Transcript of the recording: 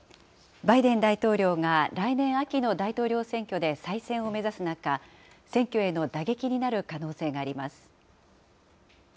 バイデン大統領が、来年秋の大統領選挙で再選を目指す中、選挙への打撃になる可能性があります。